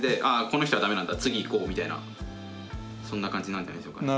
この人はダメなんだ次いこうみたいなそんな感じなんじゃないでしょうか。